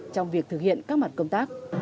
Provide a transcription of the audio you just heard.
trong việc thực hiện các mặt công tác